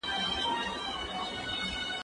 زه مخکي سفر کړی و!؟